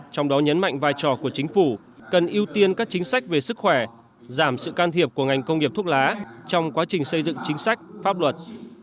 trong đó nhấn mạnh vai trò của chính phủ cần ưu tiên các chính sách về sức khỏe giảm sự can thiệp của ngành công nghiệp thuốc lá trong quá trình xây dựng chính sách pháp luật